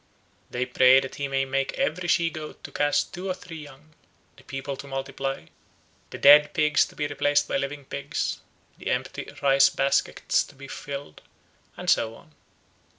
They pray that he may make every she goat to cast two or three young, the people to multiply, the dead pigs to be replaced by living pigs, the empty rice baskets to be filled, and so on.